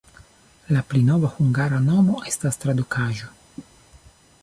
La pli nova hungara nomo estas tradukaĵo.